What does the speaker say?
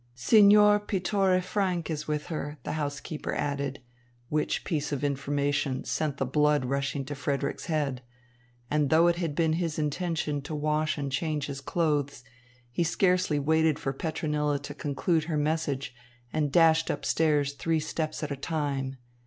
"Signor Pittore Franck is with her," the housekeeper added; which piece of information sent the blood rushing to Frederick's head; and though it had been his intention to wash and change his clothes, he scarcely waited for Petronilla to conclude her message, and dashed up stairs three steps at a time.